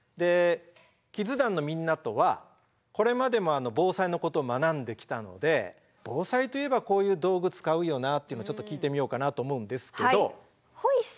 キッズ団のみんなとはこれまでも防災のことを学んできたので防災といえばこういう道具使うよなっていうのをちょっと聞いてみようかなと思うんですけど。